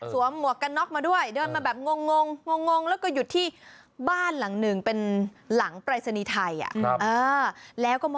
เออสวมหมวกกันน็อคมาด้วยเดินมาแบบ